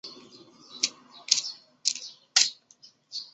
邹永煊长子。